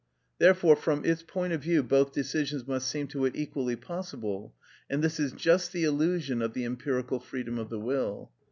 Therefore from its point of view both decisions must seem to it equally possible; and this is just the illusion of the empirical freedom of the will.